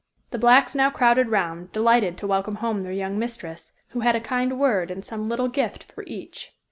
The blacks now crowded round, delighted to welcome home their young mistress, who had a kind word and some little gift for each.